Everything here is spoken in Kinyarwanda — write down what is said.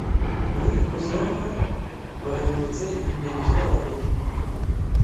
N'i Bushyoma baherutse imirishyo aho